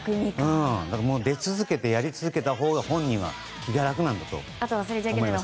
出続けてやり続けたほうが本人は気が楽なのかも。